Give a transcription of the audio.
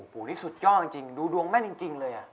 โอ้โหนี่สุดยอดจริงดูดวงแม่นจริงเลย